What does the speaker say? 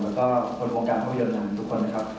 และก็คนโครงการภาพยนตร์น้ำทุกคนนะครับ